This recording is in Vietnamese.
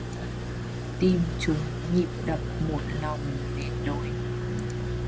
Tìm chung nhịp đập một lòng nên đôi.